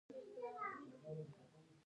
دا د انسان درک په ښه توګه بیانوي.